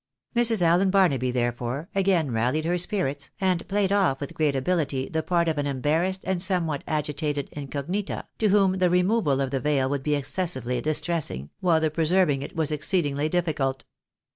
Mrs. Allen Barnaby, therefore, again ralUed her spirits, and played off with great ability the part of an embarrassed and somewhat agitated incognita^ to whom the removal of the veil would be excessively distressing, while the preserving it was exceedingly difficult.